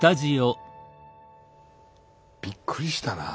びっくりしたなぁ。